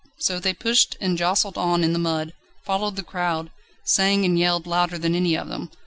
So they pushed and jostled on in the mud, followed the crowd, sang and yelled louder than any of them.